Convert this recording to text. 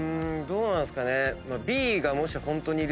どうなんですかね？